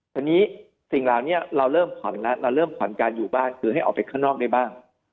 ทีนี้สิ่งเหล่านี้เราเริ่มผ่อนแล้วเราเริ่มผ่อนการอยู่บ้านคือให้ออกไปข้างนอกได้บ้าง